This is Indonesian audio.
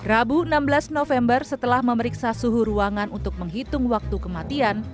rabu enam belas november setelah memeriksa suhu ruangan untuk menghitung waktu kematian